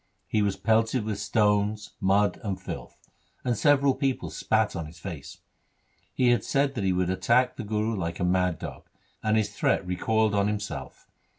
He was pelted with stones, mud, and filth, and several people spat on his face. He had said that he would attack the Guru like a mad dog, and his threat recoiled on himself.